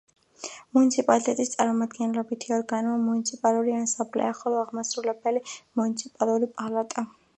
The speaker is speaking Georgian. მუნიციპალიტეტის წარმომადგენლობითი ორგანოა მუნიციპალური ასამბლეა, ხოლო აღმასრულებელი მუნიციპალური პალატა.